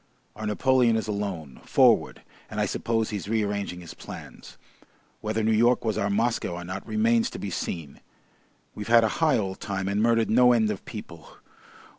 Our Napoleon is alone, forward, and I suppose he's rearranging his plans. Whether New York was our Moscow or not remains to be seen. We've had a high old time and murdered no end of people!